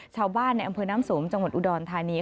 ชาวบ้านในอำเภอน้ำสมจังหวัดอุดรธานี